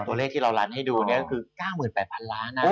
ตัวเลขที่เรารันให้ดูเนี่ยก็คือ๙๘๐๐๐ล้าน